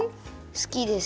すきです。